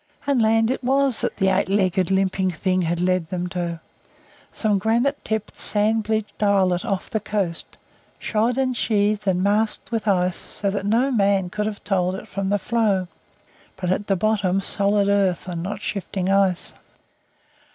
And land it was that the eight legged, limping Thing had led them to some granite tipped, sand beached islet off the coast, shod and sheathed and masked with ice so that no man could have told it from the floe, but at the bottom solid earth, and not shifting ice!